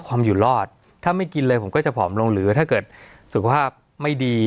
ความอยู่รอดถ้าไม่กินเลยผมก็จะผอมลงหรือถ้าเกิดสุขภาพไม่ดี